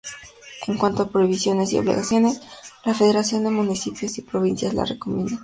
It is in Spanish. En cuanto a prohibiciones y obligaciones, la Federación de municipios y provincias la recomienda.